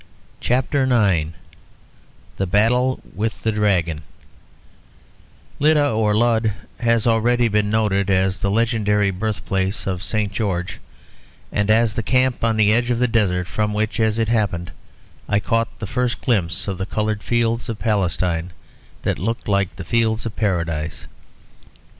CHAPTER IX THE BATTLE WITH THE DRAGON Lydda or Ludd has already been noted as the legendary birthplace of St. George, and as the camp on the edge of the desert from which, as it happened, I caught the first glimpse of the coloured fields of Palestine that looked like the fields of Paradise.